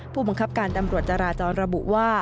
ผู้บังคับการตำรวจจราจรระบุว่า